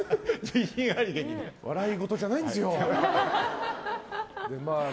笑い事じゃないんですよ。